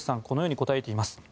このように答えています。